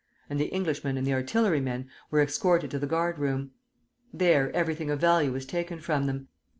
And the Englishman and the artilleryman were escorted to the guard room. There everything of value was taken from them.